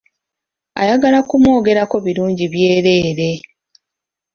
Ayagala kumwogerako birungi byereere.